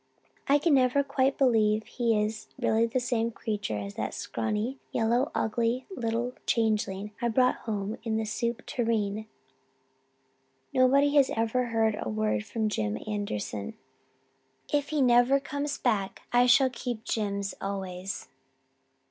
I can never quite believe he is really the same creature as that scrawny, yellow, ugly little changeling I brought home in the soup tureen. Nobody has ever heard a word from Jim Anderson. If he never comes back I shall keep Jims always.